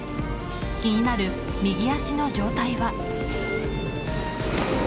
気になる右足の状態は。